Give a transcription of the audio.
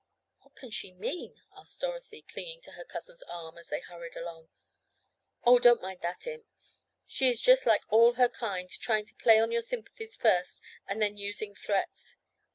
"What can she mean?" asked Dorothy, clinging to her cousin's arm as they hurried along. "Oh, don't mind that imp. She is just like all her kind, trying to play on your sympathies first and then using threats.